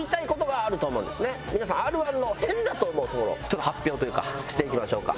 皆さんＲ−１の変だと思うところをちょっと発表というかしていきましょうか。